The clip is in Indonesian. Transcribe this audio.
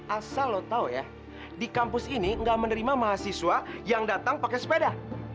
asal loh tau ya di kampus ini nggak menerima mahasiswa yang datang pakai sepeda